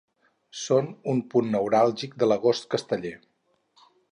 són un punt neuràlgic de l'agost casteller